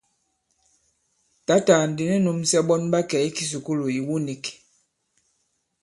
Tǎtà ndi nu nūmsɛ ɓɔn ɓa kɛ̀ i kisùkulù ìwu nīk.